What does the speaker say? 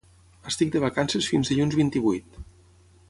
Estic de vacances fins dilluns vint-i-vuit